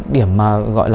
điểm mà gọi là